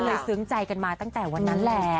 ซึ้งใจกันมาตั้งแต่วันนั้นแหละ